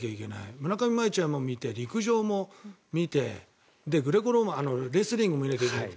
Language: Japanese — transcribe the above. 村上茉愛ちゃんも見て陸上も見てグレコローマンレスリングも見なきゃいけない。